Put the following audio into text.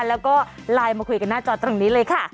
แล้วก็ไลน์มาคุยกันหน้าจอตรงนี้เลยค่ะ